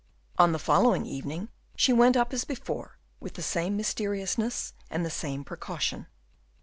On the following evening she went up as before, with the same mysteriousness and the same precaution.